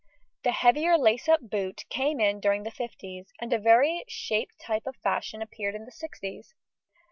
The heavier lace up boot came in during the fifties, and a very shaped type of fashion appeared in the sixties.